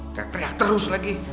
teriak teriak terus lagi